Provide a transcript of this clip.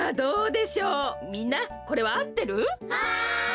はい！